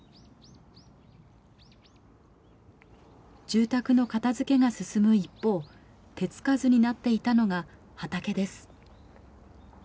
住宅の片付けが進む一方手付かずになっていたのが畑です。